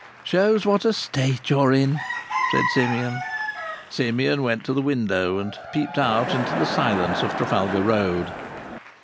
"Shows what a state you're in," said Simeon. Simeon went to the window and peeped out into the silence of Trafalgar Road.